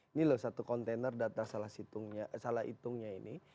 ini loh satu kontainer data salah hitungnya ini